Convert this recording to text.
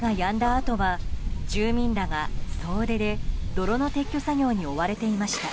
あとは住民らが総出で泥の撤去作業に追われていました。